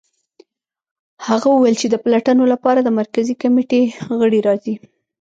هغه وویل چې د پلټنو لپاره د مرکزي کمېټې غړي راځي